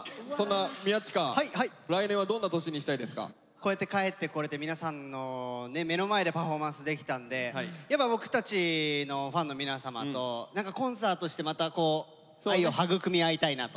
こうやって帰ってこれて皆さんの目の前でパフォーマンスできたんでやっぱ僕たちのファンの皆様とコンサートしてまたこう愛を育み合いたいなと。